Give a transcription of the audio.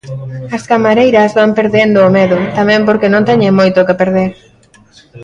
As camareiras van perdendo o medo, tamén porque non teñen moito que perder.